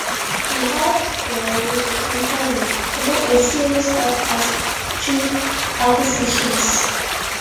He helped grow the company through a series of astute acquisitions.